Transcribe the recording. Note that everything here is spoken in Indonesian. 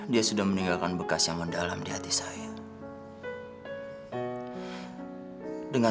dia sudah meninggalkan bekas yang mendalam di hati saya